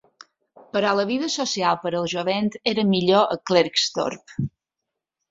Però la vida social per al jovent era millor a Klerksdorp.